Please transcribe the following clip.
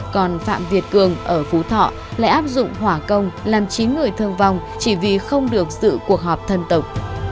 còn phạm việt cường ở phú thọ lại áp dụng hỏa công làm chín người thương vong chỉ vì không được dự cuộc họp thân tộc